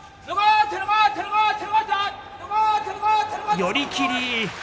寄り切り。